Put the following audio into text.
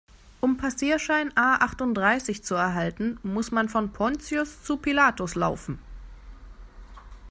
Um Passierschein A-achtunddreißig zu erhalten, muss man von Pontius zu Pilatus laufen.